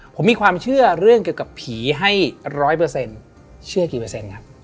ผมมีความเชื่อเรื่องเกี่ยวกับผีให้ร้อยเปอร์เซ็นต์เชื่อกี่เปอร์เซ็นต์ครับ